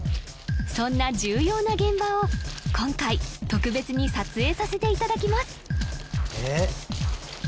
そんな重要な現場を今回特別に撮影させていただきます